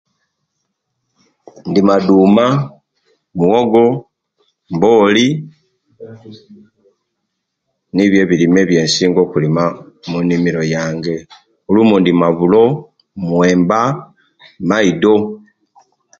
Ndima duna, muwogo, mboli nibyo ebirime ebyensinga okulima munimmiro yange olumo inima bulo, muyemba, maido